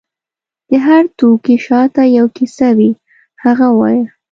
د هر توکي شاته یو کیسه وي، هغه ووایه.